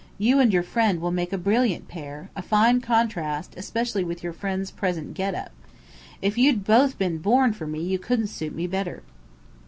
You and your friend will make a brilliant pair, a fine contrast, especially with your friend's present get up. If you'd both been born for me you couldn't suit me better."